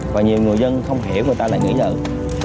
và nhiều người dân không hiểu người ta lại nghĩ rằng